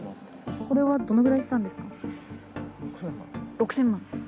これはどのぐらいしたんです６０００万。